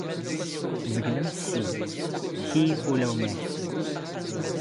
ⵜⵣⴳⵍⵎ ⵙ ⵙⵉⵏ – ⴽⵢⵢ ⵓⵍⴰ ⴳⵯⵎⴰⴽ.